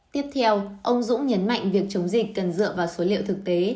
tiếp theo ông dũng nhấn mạnh việc chống dịch cần dựa vào số liệu thực tế